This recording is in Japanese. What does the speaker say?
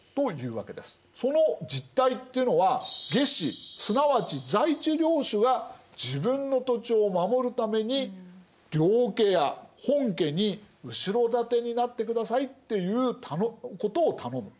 その実態っていうのは下司すなわち在地領主が自分の土地を守るために領家や本家に後ろ盾になってくださいっていうことを頼む。